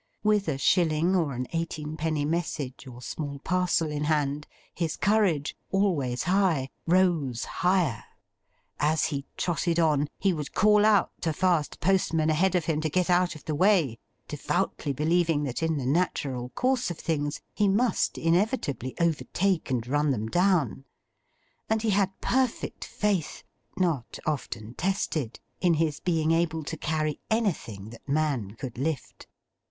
With a shilling or an eighteenpenny message or small parcel in hand, his courage always high, rose higher. As he trotted on, he would call out to fast Postmen ahead of him, to get out of the way; devoutly believing that in the natural course of things he must inevitably overtake and run them down; and he had perfect faith—not often tested—in his being able to carry anything that man could lift.